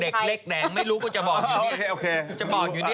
เด็กเล็กแดงไม่รู้ก็จะบอกอยู่นี่